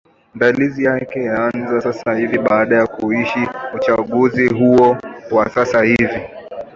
ndalizi yake yanaanza sasa hivi baada ya kuisha uchanguzi huu wa sasa hivi